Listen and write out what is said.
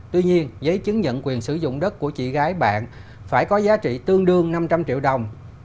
tuy nhiên giấy chứng nhận quyền sử dụng đất của chị gái bạn phải có giá trị tương đương năm trăm linh triệu đồng